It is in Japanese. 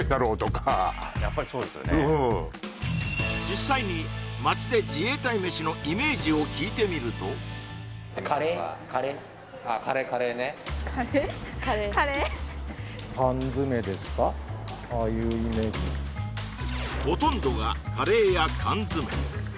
実際に街で自衛隊メシのイメージを聞いてみるとああいうイメージほとんどがカレーや缶詰